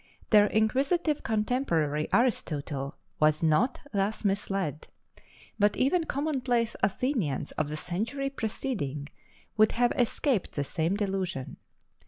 Their inquisitive contemporary Aristotle was not thus misled: but even commonplace Athenians of the century preceding would have escaped the same delusion.